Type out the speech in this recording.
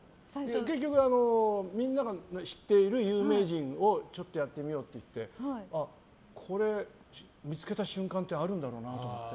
結局、みんなが知っている有名人をちょっとやってみようって言ってこれ、見つけた瞬間ってあるんだろうなと思って。